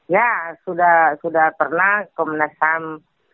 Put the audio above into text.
ya sudah pernah komnas ham